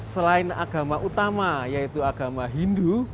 selain agama utama yaitu agama hindu